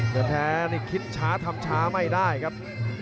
แต่แท้นี่คิดช้าทำช้าไม่ได้ครับ